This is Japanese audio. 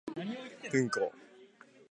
うんこ